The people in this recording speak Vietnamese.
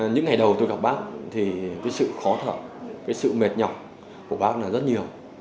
những ngày đầu tôi gặp bác thì sự khó thở sự mệt nhọc của bác là rất nhiều